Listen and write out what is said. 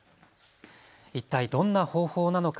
一体、どんな方法なのか。